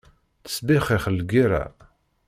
Tesbixxix lgerra.